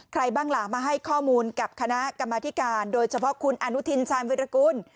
บ้างล่ะมาให้ข้อมูลกับคณะกรรมธิการโดยเฉพาะคุณอนุทินชาญวิรากุล